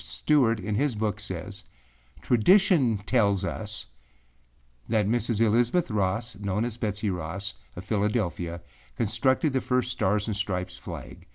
Stewart in his book says, âTradition tells us that Mrs. Elizabeth Ross, known as Betsey Ross, of Philadelphia, constructed the first Stars and Stripes flag.